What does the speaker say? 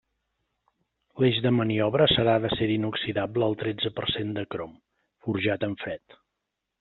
L'eix de maniobra serà d'acer inoxidable al tretze per cent de crom, forjat en fred.